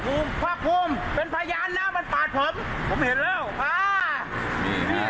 กรุงกรณีไปแล้ว